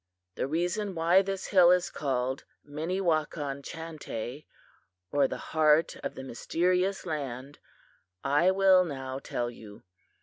"The reason why this hill is called Minnewakan Chantay, or the Heart of the Mysterious Land, I will now tell you.